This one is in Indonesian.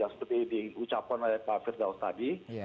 seperti di ucapan oleh pak firdaus tadi